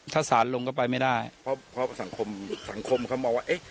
ถ้าสารลงก็ไปไม่ได้เพราะสังคมสังคมเขามองว่าเอ๊ะ